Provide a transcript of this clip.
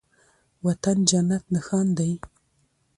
وطن جنت نښان دی